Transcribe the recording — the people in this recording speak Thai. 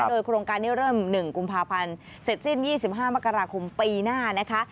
โดยโครงการนี้เริ่ม๑กุมภาพันธ์เสร็จสิ้น๒๕มกราคมปีหน้านะคะ